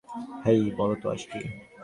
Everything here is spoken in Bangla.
হেই, বলো তো আজ কী?